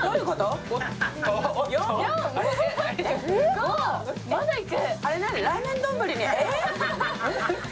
すごい、まだいく。